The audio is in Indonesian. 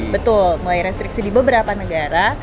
betul mulai restriksi di beberapa negara